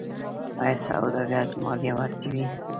آیا سوداګر مالیه ورکوي؟